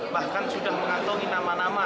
bahkan sudah mengantongi nama nama